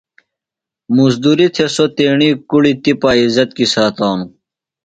مُزدُری تھےۡ سوۡ تیݨی کُڑیۡ تپِہ عزت کی ساتانوۡ۔